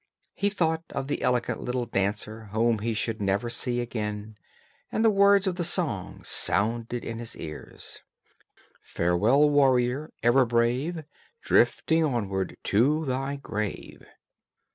He thought of the elegant little dancer whom he should never see again, and the words of the song sounded in his ears "Farewell, warrior! ever brave, Drifting onward to thy grave."